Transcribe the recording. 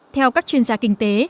theo các chuyên gia kinh tế